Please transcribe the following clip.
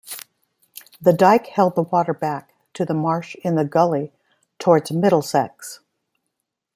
The dike held the water back to the marsh in the gully towards Middlesex.